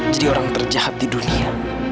jadi orang terjahat di dunia